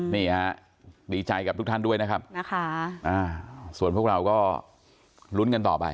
นี่ฮะดีใจกับทุกท่านด้วยนะครับส่วนพวกเราก็ลุ้นกันต่อไป